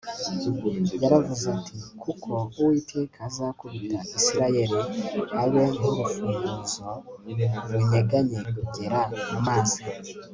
yaravuze ati Kuko Uwiteka azakubita Isirayeli abe nkurufunzo runyeganyegera mu mazi